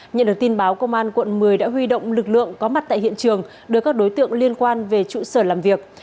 nhận được tin báo công an quận một mươi đã huy động lực lượng có mặt tại hiện trường đưa các đối tượng liên quan về trụ sở làm việc